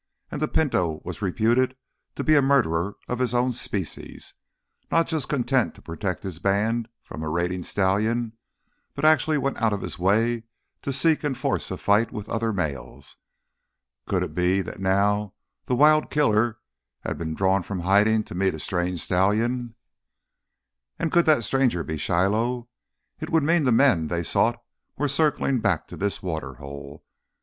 And the Pinto was reputed to be a murderer of his own species. Not just content to protect his band from a raiding stallion, he actually went out of his way to seek and force a fight with other males. Could it be that now the wild killer had been drawn from hiding to meet a strange stallion? And could that stranger be Shiloh? It would mean the men they sought were circling back to this water hole.